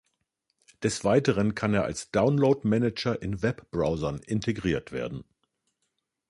Des Weiteren kann er als Download-Manager in Webbrowsern integriert werden.